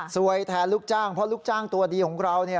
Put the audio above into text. แทนลูกจ้างเพราะลูกจ้างตัวดีของเราเนี่ย